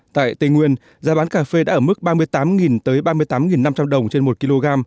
tại tây nguyên giá bán cà phê đã ở mức ba mươi tám ba mươi tám năm trăm linh đồng trên một kg